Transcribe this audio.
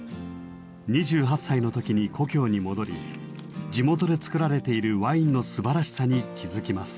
２８歳の時に故郷に戻り地元で造られているワインのすばらしさに気付きます。